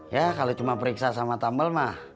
ya kalau cuma periksa sama tumble mah